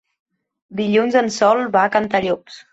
Dilluns en Sol va a Cantallops.